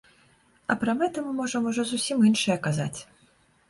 А пра мэты мы можам ужо зусім іншае казаць.